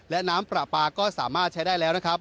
และน้ำปลาปลาก็สามารถใช้ได้แล้วนะครับ